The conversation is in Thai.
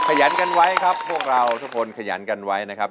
ยันกันไว้ครับพวกเราทุกคนขยันกันไว้นะครับ